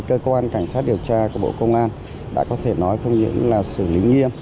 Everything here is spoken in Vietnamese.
cơ quan cảnh sát điều tra của bộ công an đã có thể nói không những là xử lý nghiêm